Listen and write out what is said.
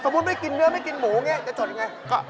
สมมุติไม่กินเนื้อไม่กินหมูจะจดยังไง